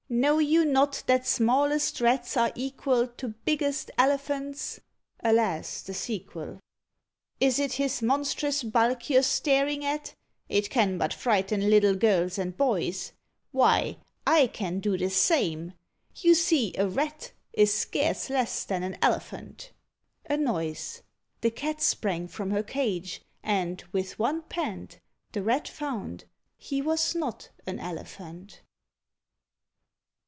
know you not that smallest rats are equal To biggest elephants?" (Alas! the sequel.) "Is it his monstrous bulk you're staring at? It can but frighten little girls and boys; Why, I can do the same. You see, a Rat Is scarce less than an Elephant." A noise! The Cat sprang from her cage; and, with one pant, The Rat found he was not an Elephant.